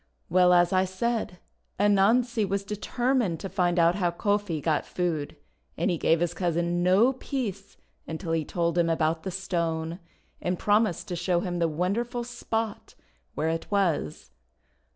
Well, as I said, Anansi was determined to find out how Kofi got food, and he gave his cousin no peace until he told him about the Stone, and promised to show him the wonderful spot where it was.